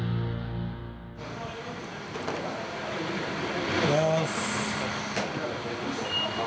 おはようございます。